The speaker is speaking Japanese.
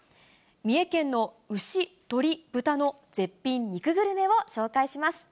三重県の牛、鶏、豚の絶品肉グルメを紹介します。